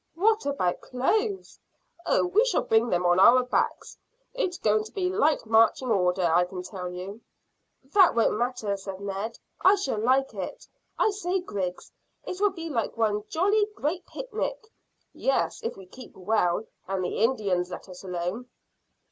"What about clothes?" "Oh, we shall bring them on our backs. It's going to be light marching order, I can tell you." "That won't matter," said Ned. "I shall like it. I say, Griggs, it'll be like one long jolly great picnic." "Yes, if we keep well, and the Indians let us alone."